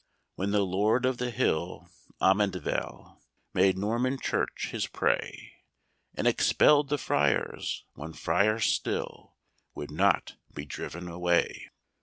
When the Lord of the Hill, Amundeville, Made Norman Church his prey, And expell'd the friars, one friar still Would not be driven away.